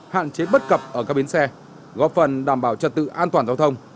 hạn chế bất cập ở các bến xe góp phần đảm bảo trật tự an toàn giao thông